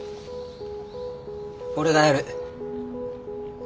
俺がやる。